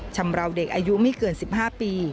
ชำราวเด็กอายุไม่เกิน๑๕ปี